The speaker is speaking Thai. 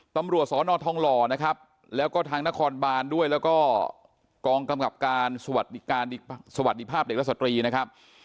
ตำรวจสอนอทองหล่อนะครับแล้วก็ทางนครบานด้วยแล้วก็กองกำกับการสวัสดีภาพเด็กและสตรีนะครับ